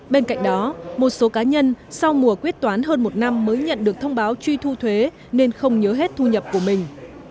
bên cạnh đó một số cá nhân sau mùa quyết toán hơn một năm mới nhận được thông báo truy thu thuế nên không nhớ hết thu nhập của mình